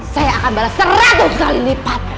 saya akan balas seratus kali lipat